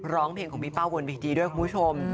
ร้องเพลงของพี่เป้าบนเวทีด้วยคุณผู้ชม